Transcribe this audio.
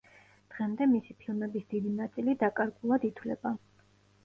დღემდე მისი ფილმების დიდი ნაწილი დაკარგულად ითვლება.